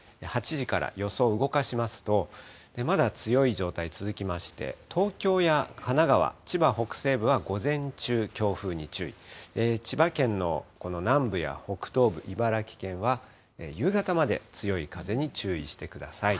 ８時から予想動かしますと、まだ強い状態、続きまして、東京や神奈川、千葉北西部は午前中、強風に注意、千葉県のこの南部や北東部、茨城県は夕方まで強い風に注意してください。